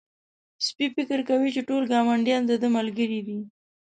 سپی فکر کوي چې ټول ګاونډيان د ده ملګري دي.